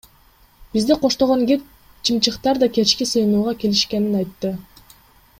Бизди коштогон гид чымчыктар да кечки сыйынууга келишкенин айтты.